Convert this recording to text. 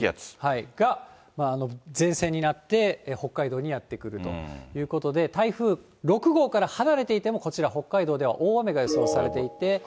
が、前線になって、北海道にやって来るということで、台風６号から離れていても、こちら、北海道では大雨が予想されていて。